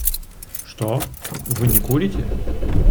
Что, вы не курите?